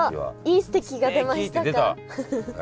いい「すてき！」が出ましたか。